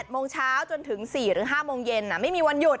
โมงเช้าจนถึง๔หรือ๕โมงเย็นไม่มีวันหยุด